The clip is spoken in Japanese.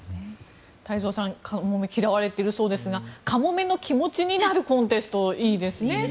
太蔵さんカモメが嫌われているそうですがカモメの気持ちになるコンテストいいですね。